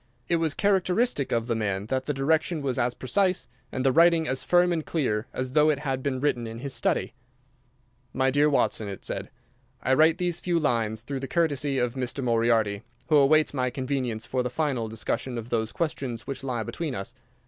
It was characteristic of the man that the direction was a precise, and the writing as firm and clear, as though it had been written in his study. "My dear Watson," he said, "I write these few lines through the courtesy of Mr. Moriarty, who awaits my convenience for the final discussion of those questions which lie between us.